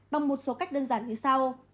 bằng một số cách đơn giản như sau